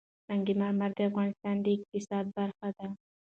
سنگ مرمر د افغانستان د اقتصاد برخه ده.